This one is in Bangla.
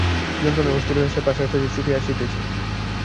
যন্ত্রণায় অস্থির হইয়া সে প্রাসাদ হইতে ছুটিয়া আসিতেছে।